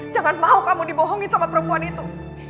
jangan mau kamu dibohongin sama perempuan itu